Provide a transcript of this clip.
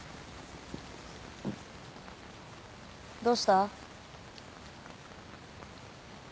どうした？